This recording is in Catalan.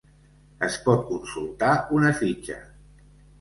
Es pot consultar una fitxa.